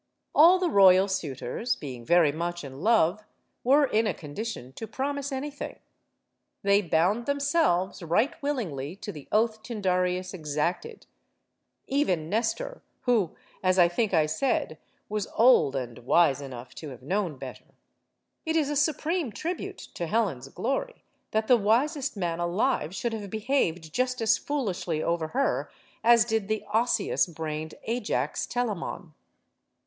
All the royal suitors being very much in love were in a condition to promise anything. They bound themselves, right willingly, to the oath Tyndareus exacted; even Nestor, who, as I think I said, was old 66 STORIES OF THE SUPER WOMEN and wise enough to have known better. It is a supreme tribute to Helen's glory that the wisest man alive should have behaved just as foolishly over her as did the osseous brained Ajax Telemon.